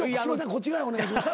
こっち側へお願いします。